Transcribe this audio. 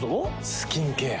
スキンケア。